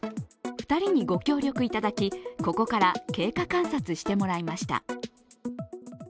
２人にご協力いただき、ここから経過観察してもらいました。